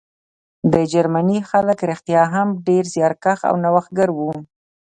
د جرمني خلک رښتیا هم ډېر زیارکښ او نوښتګر وو